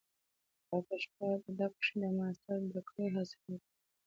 پۀ پښتو ادب کښې د ماسټر ډګري حاصله کړه ۔